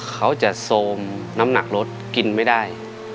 เขาจะโซมน้ำหนักรถกินไม่ได้